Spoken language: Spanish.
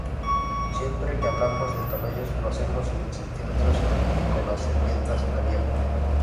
Siempre que hablamos de tamaños lo hacemos en centímetros y con la servilleta abierta.